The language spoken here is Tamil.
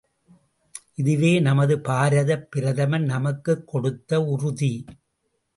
இதுவே நமது பாரதப் பிரதமர் நமக்குக் கொடுத்த உறுதி.